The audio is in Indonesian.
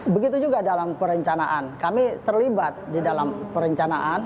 begitu juga dalam perencanaan kami terlibat di dalam perencanaan